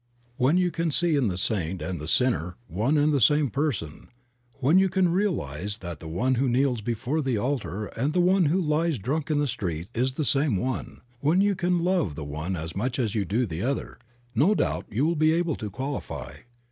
When you can see in the saint and the sinner one and the same person, when you can realize that the one who' kneels before the altar and the one who lies drunk in the street is the same one, when you can love the one as much as you do the other, no doubt you will be able to qualify.